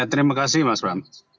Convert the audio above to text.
terima kasih mas ram